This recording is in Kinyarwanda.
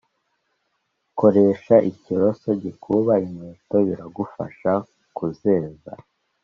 koresha ikiroso gikuba inkweto biragufasha kuzeza